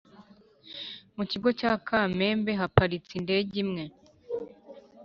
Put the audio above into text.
Mu kigo cya kamembe haparitse indege imwe